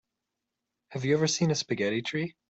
Have you ever seen a spaghetti tree?